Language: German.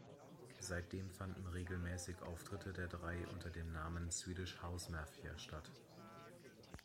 Seitdem fanden regelmäßig Auftritte der drei unter dem Namen Swedish House Mafia statt.